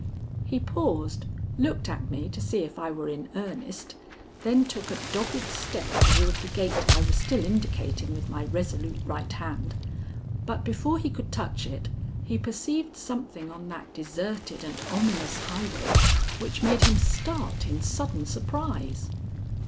He paused, looked at me to see if I were in earnest, then took a dogged step toward the gate I was still indicating with my resolute right hand, but before he could touch it he perceived something on that deserted and ominous highway which made him start in sudden surprise.